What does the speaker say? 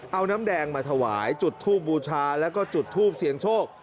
เอาน้ำแดงมาถวายจุดทูบบูชาแล้วก็จุดทูปเสียงโชค